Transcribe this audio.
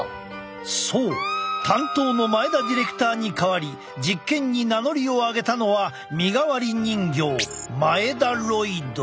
そう担当の前田ディレクターに代わり実験に名乗りを上げたのは身代わり人形マエダロイド。